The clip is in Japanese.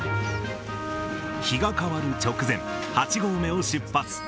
日が変わる直前、八合目を出発。